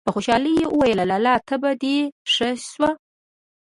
په خوشالي يې وويل: لالا! تبه دې ښه شوه!!!